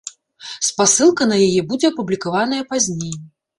Спасылка на яе будзе апублікаваная пазней.